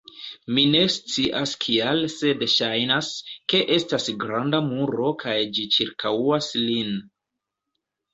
Mi ne scias kial sed ŝajnas, ke estas granda muro kaj ĝi ĉirkaŭas lin